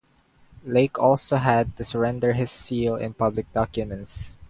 Lake also had to surrender his seal and public documents.